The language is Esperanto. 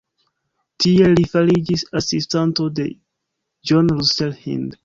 Tie li fariĝis asistanto de John Russell Hind.